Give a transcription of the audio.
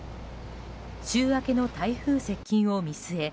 週明けの台風接近を見据え